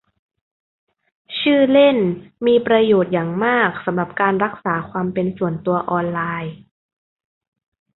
ชื่อเล่นมีประโยชน์อย่างมากสำหรับการรักษาความเป็นส่วนตัวออนไลน์